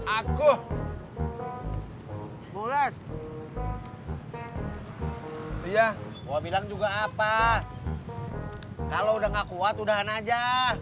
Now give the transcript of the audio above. aku mulet iya gua bilang juga apa kalau udah nggak kuat udahan aja